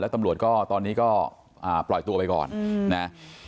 ตำรวจก็ตอนนี้ก็ปล่อยตัวไปก่อนนะ